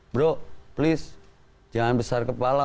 bro please jangan besar kepala